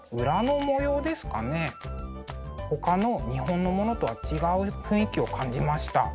ほかの日本のものとは違う雰囲気を感じました。